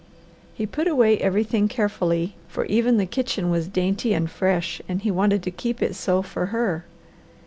He put away everything carefully, for even the kitchen was dainty and fresh and he wanted to keep it so for her.